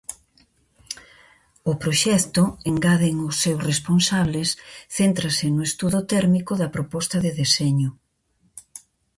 O proxecto, engaden os seus responsables, céntrase no estudo térmico da proposta de deseño.